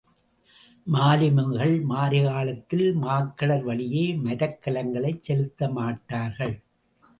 மாலுமிகள் மாரிக்காலத்தில் மாக்கடல் வழியே மரக்கலங்களைச் செலுத்தமாட்டார்கள்.